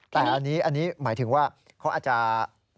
แต่อันนี้หมายถึงว่าเขาอาจจะ